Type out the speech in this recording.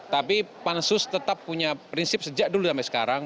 tapi pansus tetap punya prinsip sejak dulu sampai sekarang